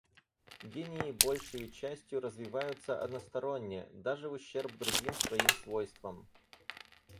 Гении большею частью развиваются односторонне, даже в ущерб другим своим свойствам.